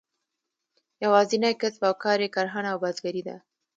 یوازینی کسب او کار یې کرهڼه او بزګري ده.